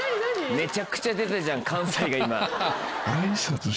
めちゃくちゃ出たじゃん関西が今。